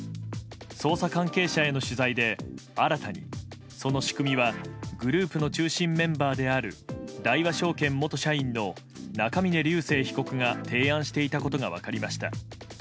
捜査関係者への取材で、新たにその仕組みはグループの中心メンバーである大和証券元社員の中峯竜晟被告が提案していたことが分かりました。